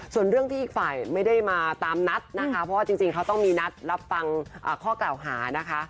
ส่วนเรื่องที่อีกฝ่ายไม่ได้มาตามนัดนะคะเพราะว่าจริงเขาต้องมีนัดรับฟังข้อกล่าวหานะคะ